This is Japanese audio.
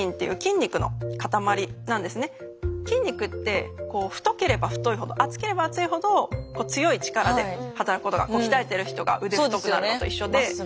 筋肉って太ければ太いほど厚ければ厚いほど強い力で働くことが鍛えてる人が腕太くなるのと一緒で。